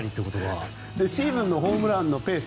シーズンのホームランのペース